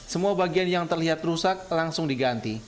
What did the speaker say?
semua bagian yang terlihat rusak langsung diganti